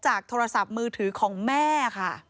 จากโทรศัพท์มือถือของแม่